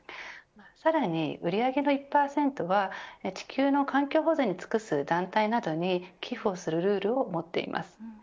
さらに売り上げの１％は地球の環境保全に尽くす団体などに寄付をするルールを持っています。